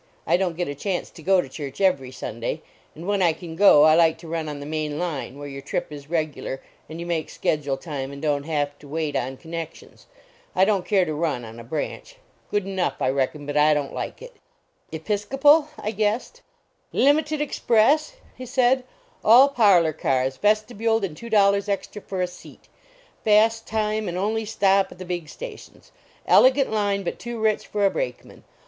I don t get a chance to go to church every Sunday, 198 fieatiny hinwlf <7.i/ ,,n (In umi ,,( ft,, .,,it ),. rnt to fhtirrh jirnt ! i l >.) TIIK r.KAKKMAN AT CHURCH and when I can go, I like to run on the main line, where your trip is regular, and you make schedule time, and don t have to wait on connections. I don t care to run on a branch. Good enough, I reckon, but I don t like it." 11 Episcopal?" I guessed. " Limited express!" he said, "all parlor cars, vestibuled, and two dollars extra for a seat; fast time, and only stop at the big sta tions. Elegant line, but too rich for a brake man.